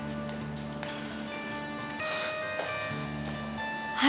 thank you pada